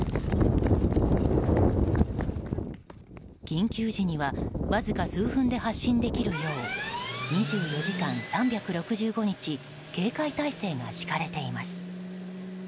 緊急時にはわずか数分で発進できるよう２４時間３６５日警戒態勢が敷かれています。